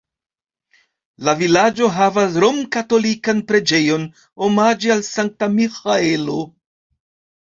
La vilaĝo havas romkatolikan preĝejon omaĝe al Sankta Miĥaelo.